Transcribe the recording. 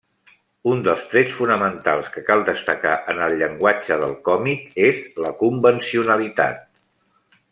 Un dels trets fonamentals que cal destacar en el llenguatge del còmic és la convencionalitat.